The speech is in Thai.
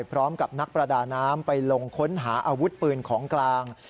พร้อมกับนักประดาน้ำไปลงค้นหาอาวุธปืนของกลาง